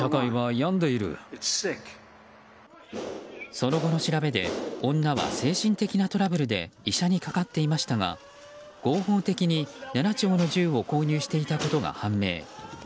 その後の調べで女は精神的なトラブルで医者に掛かっていましたが合法的に７丁の銃を購入していたことが判明。